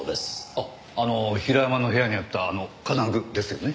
あっあの平山の部屋にあった金具ですよね？